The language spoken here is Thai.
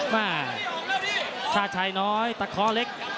มาชาติชายน้อยตะคอเล็ก